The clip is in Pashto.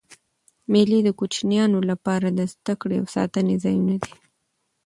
مېلې د کوچنيانو له پاره د زدهکړي او ساتېري ځایونه دي.